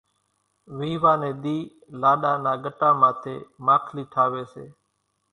ويوا نيَ ۮِي لاڏا نا ڳٽا ماٿيَ ماکلِي ٺاويَ سي۔